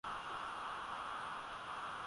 wa nairobi katika mazungumzo yake na mwandishi wetu